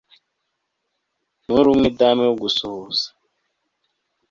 Nturi umwe dame wo gusuhuza